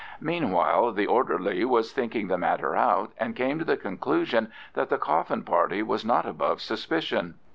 Meanwhile the orderly was thinking the matter out, and came to the conclusion that the coffin party was not above suspicion.